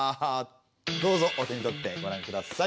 どうぞお手に取ってごらんください。